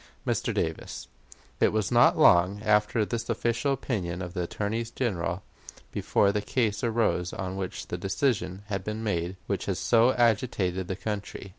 '" Mr. Davis: It was not long after this official opinion of the Attorney General before the case arose on which the decision was made which has so agitated the country.